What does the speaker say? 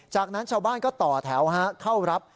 จากนั้นชาวบ้านก็ต่อแถวเข้ารับ